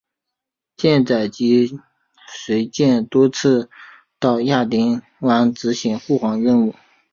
舰载机随舰多次到亚丁湾执行护航任务。